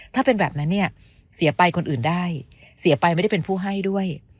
ถ้าเป็นแบบนั้นเนี่ยเสียไปคนอื่นได้เสียไปไม่ได้เป็นผู้ให้ด้วย